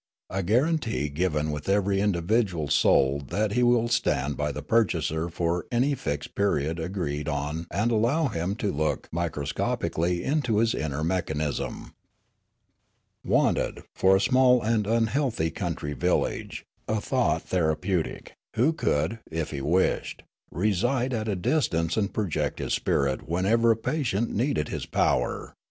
A guarantee given with every individual sold that he will stand by the purchaser for any fixed period agreed on and allow him to look microscopically into his inner mechanism.' ' Wanted, for a small and unhealthy country village, a thought therapeutic, who could, if he wished, reside at a distance and project his spirit whenever a patient needed his power.